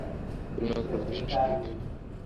তুলনা করব কিসের সঙ্গে।